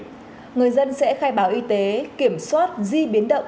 người dân sẽ khai báo y tế kiểm soát di biến động